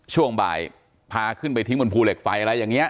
ช่วงบ่ายพาขึ้นไปทิ้งบนภูเหล็กไฟอะไรอย่างนี้